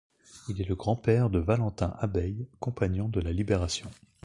Il est le grand-père de Valentin Abeille, compagnon de la libération.